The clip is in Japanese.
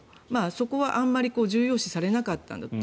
そこはあまり重要視されなかったと。